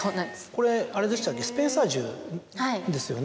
これあれでしたっけスペンサー銃ですよね。